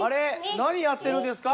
何やってるんですか？